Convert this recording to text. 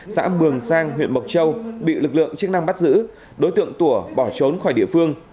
xã mường sang huyện mộc châu bị lực lượng chức năng bắt giữ đối tượng tủa bỏ trốn khỏi địa phương